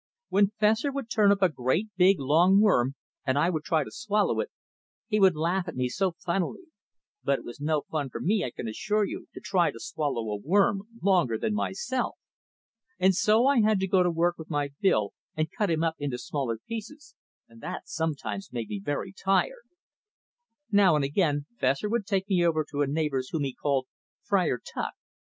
When Fessor would turn up a great, big, long worm and I would try to swallow it, he would laugh at me so funnily. But it was no fun to me, I can assure you, to try to swallow a worm longer than myself. And so I had to go to work with my bill and cut him up into smaller pieces, and that sometimes made me very tired. Now and again Fessor would take me over to a neighbor's whom he called "Friar Tuck."